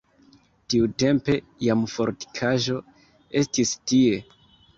Tiutempe jam fortikaĵo estis tie.